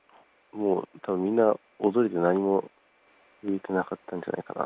もうたぶん、みんな驚いて、何も言えてなかったんじゃないかな。